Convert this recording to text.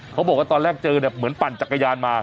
เขาบอกว่าตอนแรกเจอเนี่ยเหมือนปั่นจักรยานมา